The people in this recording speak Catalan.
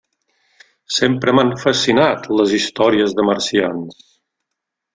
Sempre m'han fascinat les històries de marcians.